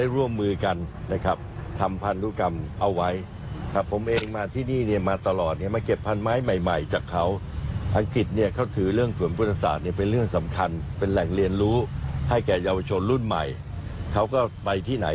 ร่วมกันปลูกเลยล่ะค่ะ